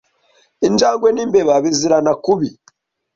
Injangwe n'imbeba bizirana kubi